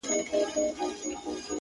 زه به په فکر وم، چي څنگه مو سميږي ژوند،